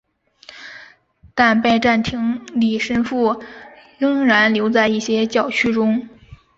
但拜占庭礼神父仍然留在一些教区中。